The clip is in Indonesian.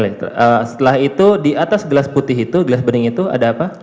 setelah itu di atas gelas putih itu gelas bening itu ada apa